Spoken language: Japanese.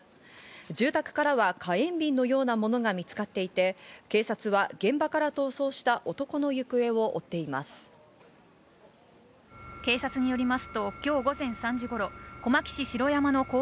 住宅からは火炎瓶のようなものが見つかっていて、警察は現場から逃走した男の行方を追っています。